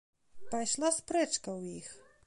Пайшла спрэчка ў іх.